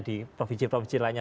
di provinsi provinsi lainnya